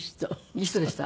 いい人でした。